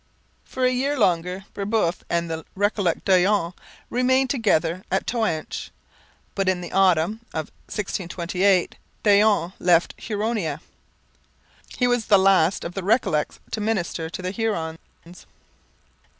For a year longer Brebeuf and the Recollet Daillon remained together at Toanche. But in the autumn of 1628 Daillon left Huronia. He was the last of the Recollets to minister to the Hurons.